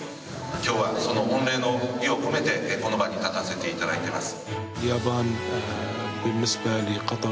今日はその御礼の意を込めてこの場に立たせていただいています。